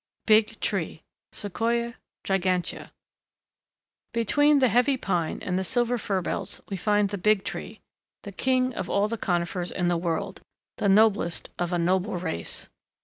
BIG TREE (Sequoia gigantea) Between the heavy pine and Silver Fir belts we find the Big Tree, the king of all the conifers in the world, "the noblest of a noble race."